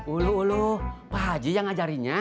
ulu ulu pak haji yang ngajarinya